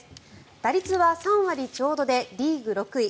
打率は３割ちょうどでリーグ６位。